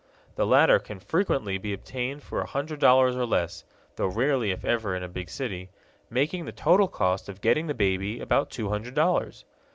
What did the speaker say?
The latter can frequently be obtained for a hundred dollars or less though rarely, if ever, in a big city making the total cost of getting the baby about two hundred dollars.